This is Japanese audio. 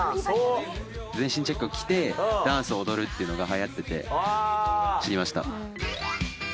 全身チェックを着てダンスを踊るっていうのが流行ってて知りました。